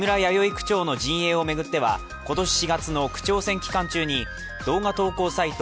区長の陣営を巡っては今年４月の区長選期間中に動画投稿サイト